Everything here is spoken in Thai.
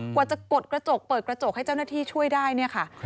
กว่าจะกดกระจกเปิดกระจกให้เจ้าหน้าที่ช่วยได้เนี่ยค่ะ